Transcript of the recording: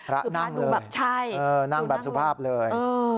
นั่งเลยนั่งแบบสุภาพเลย